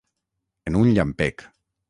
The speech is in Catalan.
En un llampec.